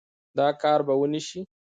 دا کار به ونشي